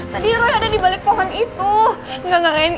jadi roy aja boleh menikmati marked